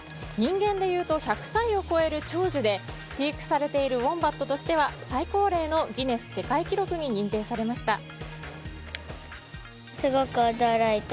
人間でいうと１００歳を超える長寿で、飼育されているウォンバットとしては最高齢のギネス世界記録に認定されました。